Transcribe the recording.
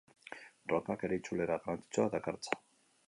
Rockak ere itzulera garrantzitsuak dakartza.